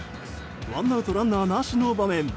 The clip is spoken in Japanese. ワンアウトランナーなしの場面